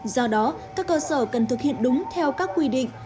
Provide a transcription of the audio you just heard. do đó các cơ sở cần thực hiện đúng theo các quy định